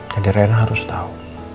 jadi rena harus tau